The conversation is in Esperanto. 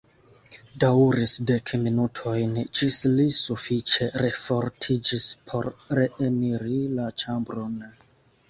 Daŭris dek minutojn ĝis li sufiĉe refortiĝis por reeniri la ĉambron.